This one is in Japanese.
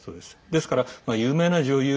ですから有名な女優